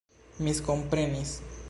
miskomprenis